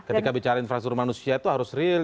ketika bicara infrastruktur manusia itu harus real